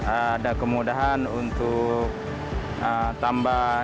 ada kemudahan untuk tambah